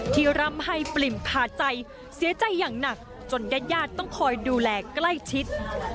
ร่ำให้ปริ่มขาดใจเสียใจอย่างหนักจนญาติญาติต้องคอยดูแลใกล้ชิด